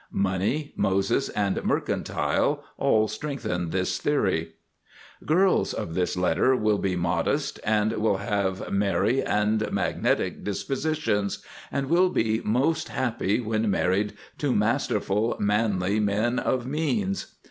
Money, Moses, and Mercantile all strengthen this theory. Girls of this letter will be Modest and will have Merry and Magnetic dispositions, and will be most happy when married to Masterful, Manly men of Means.